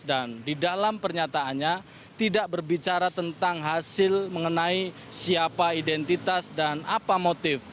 dan di dalam pernyataannya tidak berbicara tentang hasil mengenai siapa identitas dan apa motif